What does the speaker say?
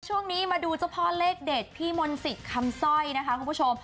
ช่วงนี้มาดูเจ้าพ่อเลขเด็ดพี่มนต์สิทธิ์คำสร้อยนะคะคุณผู้ชม